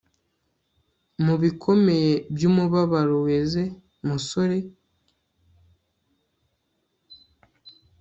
mubikomeye byumubabaro weze, musore